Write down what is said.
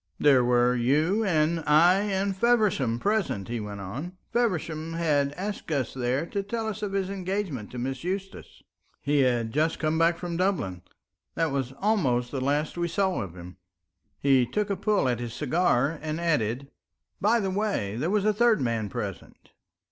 "There were you and I and Feversham present," he went on. "Feversham had asked us there to tell us of his engagement to Miss Eustace. He had just come back from Dublin. That was almost the last we saw of him." He took a pull at his cigar and added, "By the way, there was a third man present."